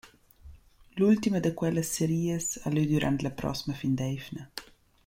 L’ultima da quelas serias ha lö dürant la prosma fin d’eivna.